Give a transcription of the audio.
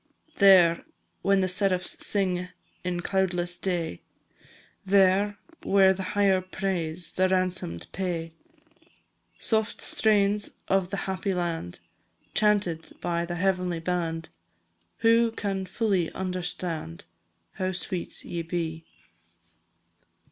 There, when the seraphs sing, In cloudless day; There, where the higher praise The ransom'd pay. Soft strains of the happy land, Chanted by the heavenly band, Who can fully understand How sweet ye be!